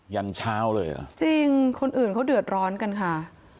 ยันเช้าเลยอ่ะจริงคนอื่นเขาเดือดร้อนกันค่ะ